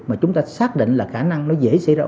mà chúng ta xác định là khả năng nó dễ xảy ra